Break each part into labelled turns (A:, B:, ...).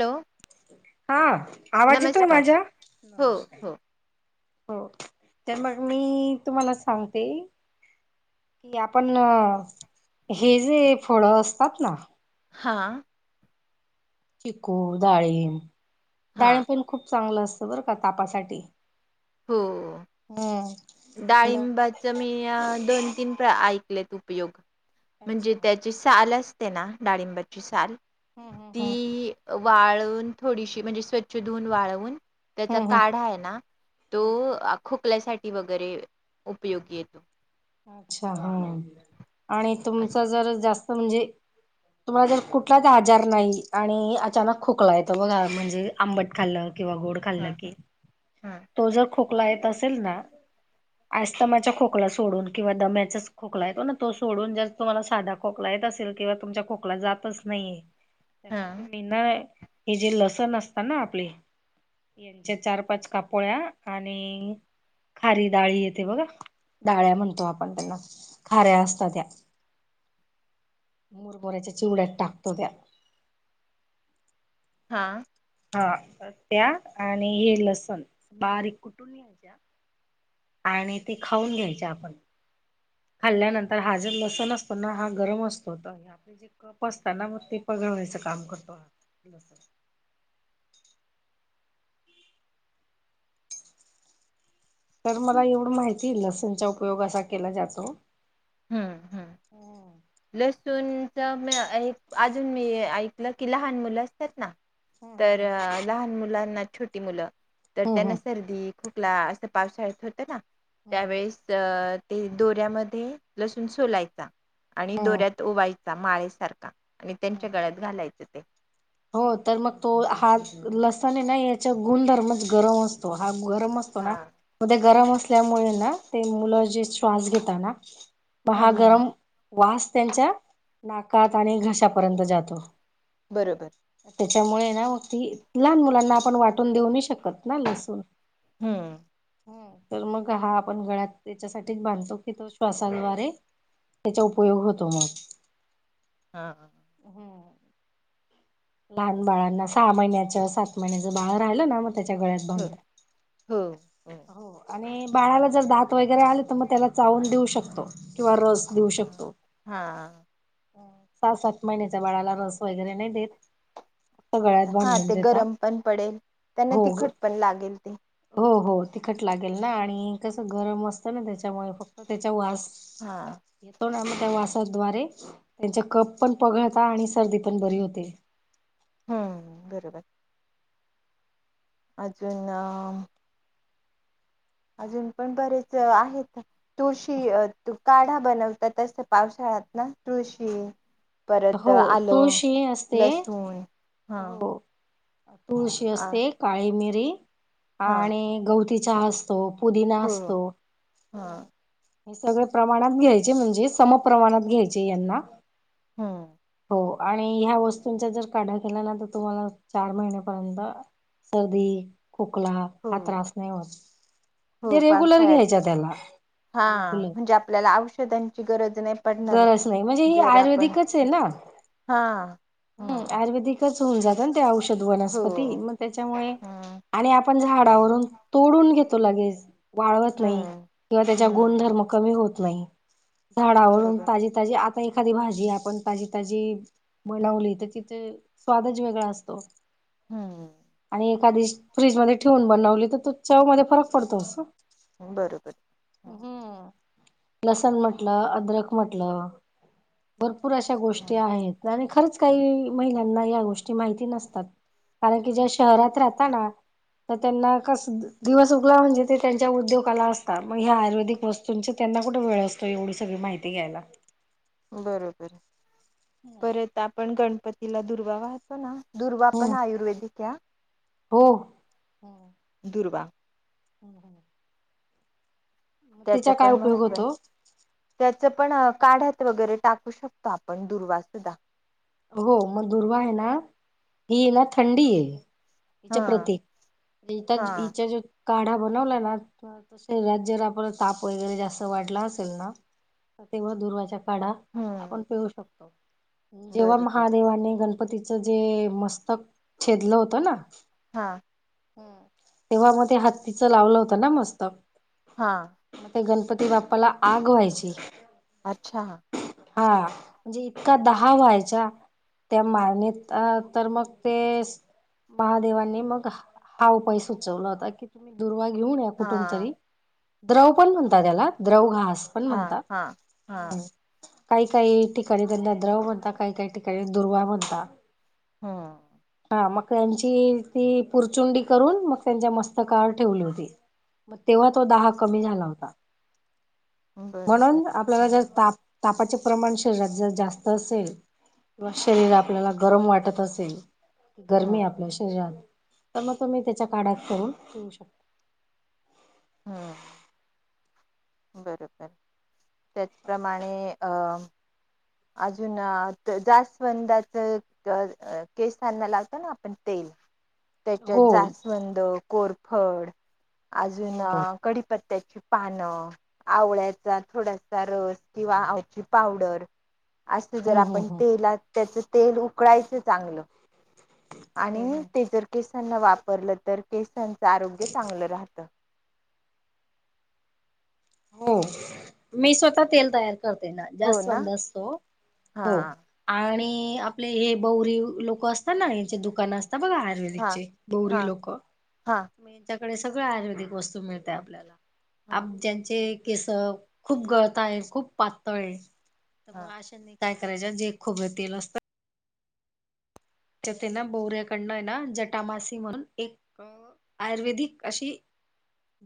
A: Hello
B: हा आवाज येतोय
A: नमस्कार
B: माझा
A: हो
B: नमस्कार
A: हो
B: हो तर मग मी तुम्हाला सांगते कि आपण हे जे फळ असतात ना
A: हां
B: चिकू डाळिंब,
A: हां
B: डाळिंब पण खूप... चांगलं असत बर का तापासाठी हम्म....
A: डाळिंबाच मी दोन तीन ऐकलेत उपयोग....
B: अच्छा
A: म्हणजे त्याची साल असते ना डाळिंबाची साल
B: हम्म हम्म
A: ती.... वाळून थोडीशी म्हणजे स्वच्छ धुवून वाळवून.... त्याचा
B: हम्म हम्म
A: काढा आहे ना तो
B: हम्म
A: खोकल्यासाठी..... वगैरे उपयोगी येतो.
B: अच्छा हा आणि तुमच
A: असं
B: जर जास्त म्हणजे.. तुम्हाला जर कुठलाच आजार नाही आणि अचानक खोकला येत बघा म्हणजे आंबट खाल्ल.... किंवा गोड खाल्ल
A: हां हां
B: कि
A: हां
B: तो जो खोकला... खोकला येत असेल ना आस्थमाच्या खोकला सोडून... किंवा दम्याचाच खोकला येतो ना तो सोडून ज तुम्हाला साधा खोकला येत असेल किंवा तुमच्या खोकला जातच नाही. मग
A: हां
B: तुम्ही ना हे जे लसण असता ना आपले... यांच्या चार पाच कापोळ्या आणि.... खारी डाळी येते बघा डाळ्या म्हणतात. आपण त्यांना खाऱ्या असत त्या... मुरमऱ्याच्या चिवड्यात टाकतो त्या....
A: हा....
B: हा त्या आणि हे लसण बारीक कुठून यायच्या.. आणि ते खाऊन घ्यायचे आपण... खाल्ल्यानंतर हा जर लसूण असतो ना हा गरम असतो तर जे कप असत ना मग ते.... ग वच काम करतो... तर मला एवढं माहिती लसूणचा उपयोग असा केला जातो. हम...
A: सुंठनच म एक अजून मी ऐकलं की लहान मुलं असत्यात ना... तर
B: हम्म
A: लहान मुलांना छोटी मुलं तर त्यांना सर्दी खूप ला असं पावसाळत होत ना
B: हम्म
A: त्यावेळेस अ ते दोऱ्यामध्ये... लसूून सोलायचा आणि दोऱ्यात ओवायचा माळेसारखा... आणि त्यांच्या
B: हम्म
A: गळ्यात घालायचं ते...
B: हो तर मग तो हात लसण नाही याच्या गुणधर्मच गरम असतो हा... गरम असतो ना
A: हा
B: मध्ये गरम असल्यामुळे ना ते मुलं जे श्वास घेतात ना... म हा गरम वास त्यांच्या नाकात आणि घशापर्यंत जातो.
A: बरोबर...
B: त्याच्यामुळे ना मग ती लहान मुलांना आपण वाटून देऊन शकतो. पतना लसूर
A: हम्म
B: ह... तर मग हा आपण गळ्यात त्याच्यासाठी बांधतो की तो श्वासाद्वारे... त्याचा उपयोग होतो मग...
A: हा हा...
B: लहान
A: हो
B: बाळांना सहा महिन्याच्या सात महिन्याचं बाळ राहिलं ना म... त्याच्या गळ्यात बांधत...
A: हो हो
B: आणि बाळाला जर दात वगैरे आले तर मग त्याला चावून देऊ शकतो किंवा रस... दे ऊ शकतो
A: हा
B: सहा सात महिन्याचा बाळाला रस वगैरे नाही देत.. सगळ्यात
A: हा
B: बांधून
A: ते
B: देता
A: गरम पण पडेल त्यांना
B: हो
A: तिखट पण लागेल ते
B: हो हो... तिखट लागेल ना आणि कसं गरम असतं ना त्याच्यामुळे फक्त त्याच्या वास..
A: हा
B: येतो ना.. वासाद्वारे त्यांचे कप पण पगळता आणि सर्दी पण बरी होते...
A: हम्म बरोबर... अजून ना... अजून पण बरेच आहेत तुळशी काढा बनवतात तस ते पावसाळयात... यात ना तुळशी... परत
B: हो
A: आलं,
B: तुळशी असते
A: लसूण ह
B: हो तुळशी असते काळी मिरी
A: हा
B: आणि गवती चहा असतो तो. पुदिना
A: हो
B: असतो.
A: हा
B: हे सगळे प्रमाणात घ्यायचे म्हणजे समप्रमाणात घ्यायचे यांना
A: हो.
B: हो आणि ह्या वस्तूंचा जर काढा केला ना तर तुम्हाला चार महिन्यापर्यंत सर्दी, खोकला
A: हो
B: हा त्रास नाही होत.
A: हो
B: जे रेगुलर
A: पावसाळ्यात
B: घ्यायचा त्याला,
A: हा
B: रेगुलर.
A: म्हणजे आपल्याला औषधांची गरज नाही पडणार
B: गरज नाही, म्हणजे ही
A: जर आपण
B: आयुर्वेदिकचे ना
A: हा
B: हम्म,
A: हा
B: आयुर्वेदिकच. होउन जातं ना ते औषध
A: हो
B: वनस्पती,, मग त्याच्यामुळे,
A: हम्म
B: आणि पण झाडावरून तोडून घेतो लगेच. वाळवत नाही,
A: हम्म
B: किंवा त्याचा
A: हम्म
B: गुणधर्म कमी होत नाही, झाडाव
A: बरोबर
B: ताजी, ताजी आप एखादी भाजी,, आपण ताजी-ताजी बनवली तर तिच स्वादच वेगळा असतो.
A: हम्म.
B: आणि एखादी, फ्रीजमध्ये ठेवून बनवली त तो चव मध्ये फरक पडतोसं.
A: बरोबर.
B: लसण म्हटलं, अदरक म्हटलं. भरपूर अश्या गोष्टी
A: हम्म,
B: आहेत, आणि खरंच काही महिलांना ह्या गोष्टी माहिती नसतात. कारण कि ज्या शहरात राहता ना. तर त्यांना कसं, दिवस उगला म्हणजे ते त्यांच्या उद्योगाला असता म ह्या आयुर्वेदिक वस्तूंच्य त्या त्यांना कुठे वेळ असतो एवढी सगळी माहिती घ्यायला.
A: बरोबर, परत आपण गणपतीला दुर्वा वाहतो ना. दुर्वा
B: हम्म
A: पन आयुर्वेदिके आं.
B: हो. हम्म.
A: दुर्वा.
B: हम्म हम्म. मग
A: त्याच
B: तिचा काय
A: पण
B: उपयोग
A: महत्वये,
B: होतो
A: त्या चेपण काढ्यात वगैरे टाकू शकतो आपण दुर्वा सुद्धा.
B: हो, मग दुर्वाये ना,, ही ना थंडी ये. हिच्या
A: हा
B: प्रती [unintelligible]
A: हा
B: हिच्या ज्या काढा बनवला ना, शरीरात जर आपला ताप वगैरे जास्त वाढला असेल ना तेव्हा दुर्वाचा काढा आपण
A: हम्म
B: पिऊू शकतो, जेव्हा
A: बरोबर
B: महादेवाने गण पतीचं जे मस्तक छेदलं होतं ना
A: हां.
B: तेव्हा मग ते हत्तीचं लावलं होतं ना मस्तक,
A: हा
B: म ते गणपती ती बाप्पाला आग व्हायची.
A: अच्छा.
B: हा म्हणजे इतका दहा व्हायचा, त्या माळणीत अ तर मग तेस महादेवानी मग हा उपाय सुचवला होता की तुम्ही दुर्वा घेऊन या
A: हा
B: कुठून तरी, द्रव पण म्हणतात त्याला, द्रव घास पण म्हणता.
A: हां.
B: काही काही ठिकाणी त्यांना द्रव म्हणता काही, काही ठिकाणी दुर्वा म्हणता.
A: हं.
B: मग त्यांची ती पुरचुंडी करून मग त्यांच्या मस्तकार ठेवली होती. मग तेव्हा तो दाह कमी झाला होता,
A: बरोबर
B: म्हणून
A: हा
B: आपल्याला जर ता प्रमाण शरीरात जर जास्त असेल, व शरीर आपल्याला गरम वाटत असेल, गरमी
A: हम्म
B: आपल्या शरीरात तर मग तुम्ही त्याच्या काडात करून पिऊ शकता.
A: हा बरोबर,, त्याचप्रमाणे अंऽ अजून अंऽऽ जास्वंदाचं केसांना लावतो ना आपण तेल, त्याच्यात
B: हो
A: जास्वंद कोरफड अजून
B: हो हो
A: कडीीपत्त्याची पान आवळ्याचा थोडासा रस किंवा आवची पावडर असं जर
B: हम्म हम्म
A: आपण
B: हम्म.
A: तेला त्याच तेल उकळायचं चांगलं
B: हम्म
A: आणि
B: हम्म
A: ते जर केसांना वापरलं तर केसांचं आरोग्य चांगलं राहतं
B: हो मी स्वतः तेल तयार कर ना
A: हो ना
B: जास्तस्त
A: हा
B: हो आणि आपले हे बौरी लोक असतात ना हचे दुकान असत बघा
A: हा
B: आयुर्वेदिकचे
A: हा
B: गौरी लोक
A: हा
B: सगळ आयुर्वेदिक वस्तू मिळते आपल्याला
A: हा
B: ज्यांचे केस खूप गळत आहे खूप पातळ आहे तर
A: हा
B: मग अशानी काय करायच्या जे खोबर तेल असतात त्यात ना बोऱ्याकडनं ना जटामासी म्हणून एक आयुर्वेदिक अशी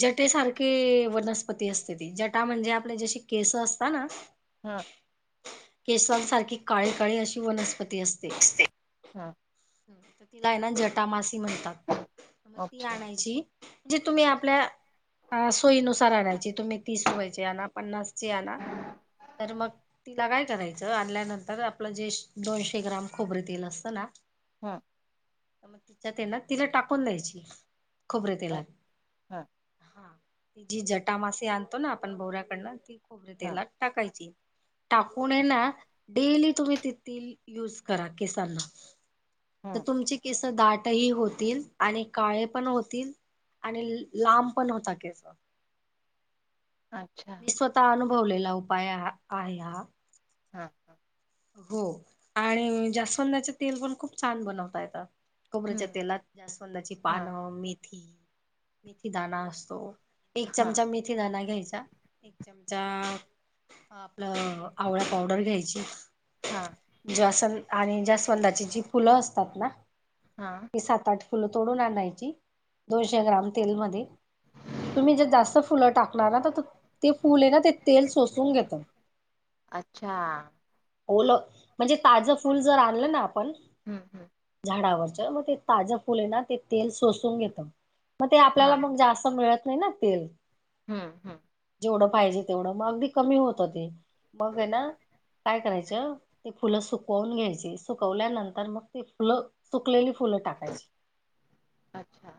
B: जटेसारखे वनस्पती असते ती जटा म्हणजे आपले जशी केस असतात ना
A: हम
B: केसवाांसारखी काळी काळी अशी वनस्पती असते
A: हा
B: तर तिला आहे ना जटामासी म्हणतात मग ती
A: अच्छा
B: आणायची जे तुम्ही आपल्या ह सोयीनुसार आणायची तुम्ही तीस रुपयाची आण पन्नासची आण तर मग तिला काय करायचं आणल्यानंतर आपलं जे दोनशे ग्राम खोबरे तेल असत
A: हम
B: तर मग तिच्यात ये ना तिला टाकून द्यायची खोबरेतेला
A: ह
B: हा जी जटामासेी आणतो ना आपण बोऱ्याकडनं ती
A: हा
B: खोबरेतेलात टाकायची टाकून ना डेली तुम्ही तथील युज करा केसांना तर
A: हं,
B: तुमची किस दाट ह होतील आणि काळे पण होतील आणि लांब पण होता केस
A: अच्छा.
B: मी स्वतः अनुभवलेला उपाय आहे हा
A: हा हा
B: हो आणि जास्वंदचे तेल पण खूप छान बनवता येत कोबऱ्याच्या
A: हं,
B: तेलात जास्वंदाची
A: हां,
B: पानं मेथी मेथी दण असतो एक
A: हां,
B: चमचा म मिथे दना घ्यायचा एक चमचा आपलं आवळ्या पावडर घ्यायची
A: हां,
B: जस आणि ज्यास्वंदाची जी फुलं असतात ना
A: हां.
B: मी सात आठ फुलं तोडून आणायची दोनशे
A: अ
B: ग्राम तेल मध्ये तुम्ही जर जास्त फुलं टाकणार ना तर ते फुले आहे ना ते तेल सोसून घेत
A: अच्छा
B: ओलं म्हणजे ताजं फुल जर आणलं ना आपण
A: हं, हं.
B: झाडावर मग ते ताज फुले ना ते तेल सोून घेत मग ते आपल्याला मग जास् मिळ नाही ना तेल
A: हम्म हम्म
B: जवढं पाहिजे तेवढं मग अगदी कमी होत ते मग आहे ना कराय फुलं सुकवून घ्याय सुवल्यानंतर मग फुलं सुकलेली फुलं टाकायची
A: अच्छा.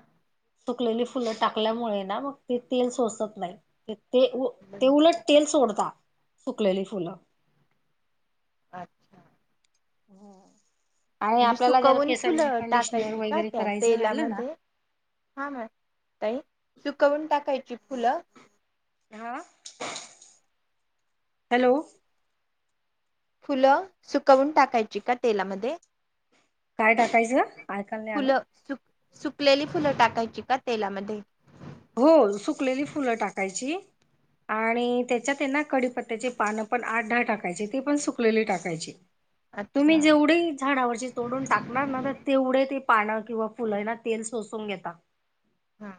B: सुकलेली फुलं टाकल्यामुळे ना. ते तेल सोसत नाही. ते ते उलट
A: बंद
B: तेल सोडत. सुकलेली फुलं.
A: अच्छा.
B: होम [unintelligible]
A: म्हणजे सुकवून फुलं टाकायची का
B: वगैरे
A: त्या
B: करायचं राहिलं ना
A: तेलामध्ये? हा मॅडम. ताई सुकवून टाकायची फुलं?
B: हा. हॅलो.
A: फुलं सुकवून टाकायची का तेलामध्ये?
B: काय टाकायचं? ऐकायला नाही आलं.
A: फुलं सुक सुकलेली फुलं टाकायची का तेलामध्ये?
B: हो सुकलेली फुलं टाकायची. आणि त्याच्यात त्यांना कडीपत्त्याची पानं पण आठ-दहा टाकायची ती पण सुकलेली टाकायची.
A: अच्छा.
B: तुम्ही जेवढे झाडावरची तोडून टाकणार ना. तर तेवढे ते पानं किंवा फुलना तेल सोसून घेतात.
A: हा.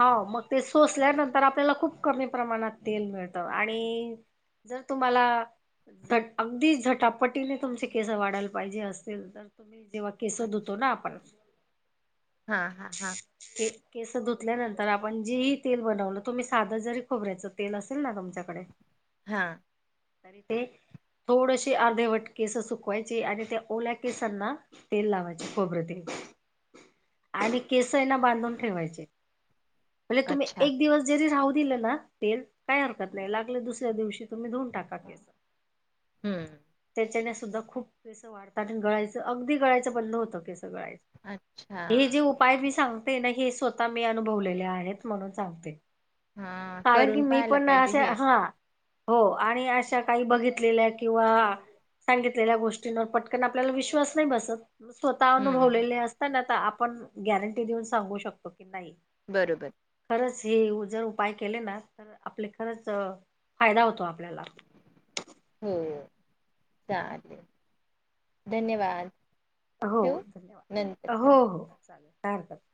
B: हो मग ते सोसल्यानंतर आपल्याला खूप कमी प्रमाणात तेल मिळतं आणि जर तुम्हाला अगदी झटापटीने तुमचे केस वाढायला पाहिजे असतील तर तुम्ही जेव्हा केस धुतो ना आपण.
A: हा. हा. हा.
B: के केस धूत ल्यानंतर आपण जीही तेल बनवलं. तुम्ही साधं जरी खोबऱ्याच तेल असेल ना तुमच्याकडे.
A: हा.
B: तरी ते. थोडशी अर्धेवट केस सुकवायची. आणि त्या ओल्या केसांना तेल लावायचे खोबरेल तेल. आणि केसं हाय ना बांधून ठेवायचे. म्हणजे तुम्ही
A: अच्छा.
B: एक दिवस जरी राहु दिलं ना तेल काय हरकत नाही, लागलच दुसऱ्या दिवशी तुम्ही धुन टाका तेल.
A: हम्म
B: त्याच्याने सुद्धा खूप केस वाढता आणि गळायचं अगदी गळायचं बंद होतं केस. खरंय, हे
A: अच्छा.
B: जे उपाय मी सांगते ना हे स्वः ता मी अनुभवलेले आहेत म्हणून सांगते.
A: हा
B: कारण की
A: करून
B: मी
A: पाहायला
B: पण
A: पाहिजे
B: असे
A: हे
B: हा हो, आणि अशा काही बघितलेल्या किंवा सांगितलेल्या गोष्टींवर पटकन आपल्याला विश्वास नाही बसत. स्वतः
A: हम्म
B: अनुभवलेले असताना आता आपण गॅरंटी देऊन सांगू शकतो की नाही.
A: बरोबर.
B: हे जर उपाय केले ना तर आपले खरच फायदा होतो आपल्याला.
A: हो. चालेल, धन्यवाद!
B: हो
A: ठेवू नंतर
B: धन्यवाद!
A: कर
B: हो हो चालेल, काय हरकत नाय.